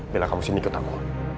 bella kamu sini ketemu